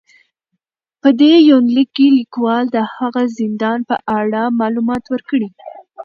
په دې يونليک کې ليکوال د هغه زندان په اړه معلومات ور کړي